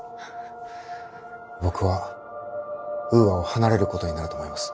僕はウーアを離れることになると思います。